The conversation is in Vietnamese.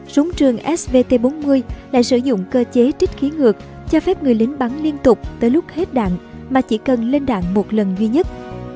súng trường svt bốn mươi lại sử dụng cơ chế trích khí ngược cho phép người lính bắn liên tục tới lúc hết đạn mà chỉ cần lên đạn một lần duy nhất